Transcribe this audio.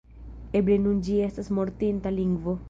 Eble nun ĝi estas mortinta lingvo.